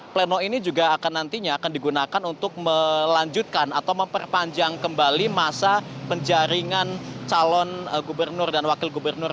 pdip jawa barat